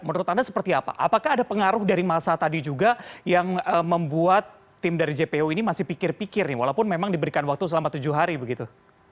menurut anda seperti apa apakah ada pengaruh dari massa tadi juga yang membuat tim dari jpu ini masih pikir pikir nih walaupun memang diberikan waktu selama tujuh hari begitu